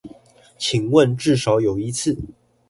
請問至少有一次